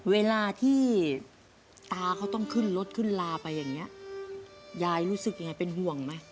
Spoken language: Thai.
เวลาที่ตาเขาต้องขึ้นรถขึ้นลาไปอย่างนี้ยายรู้สึกยังไงเป็นห่วงไหม